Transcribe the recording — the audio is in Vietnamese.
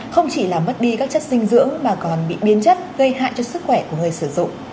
không chỉ làm mất đi các chất dinh dưỡng mà còn bị biến chất gây hại cho sức khỏe của người sử dụng